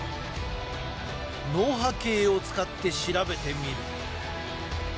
脳波計を使って調べてみる。